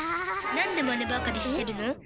なんでマネばかりしてるの？